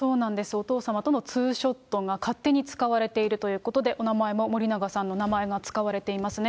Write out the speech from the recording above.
お父様とのツーショットが勝手に使われているということで、お名前も森永さんの名前が使われていますね。